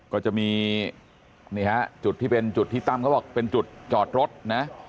ก็จะมีนี่ฮะจุดที่เป็นจุดที่ตั้มเขาบอกเป็นจุดจอดรถนะ